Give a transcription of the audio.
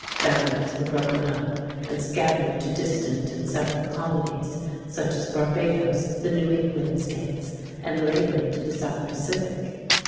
Families were broken up and scattered to distant and separate colonies, such as Barbados, the New England States, and later to the South Pacific.